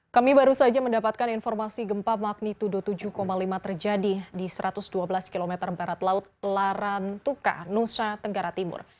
kami baru saja mendapatkan informasi gempa magnitudo tujuh lima terjadi di satu ratus dua belas km barat laut larantuka nusa tenggara timur